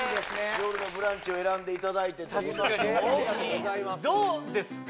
「よるのブランチ」を選んでいただいてどうですか？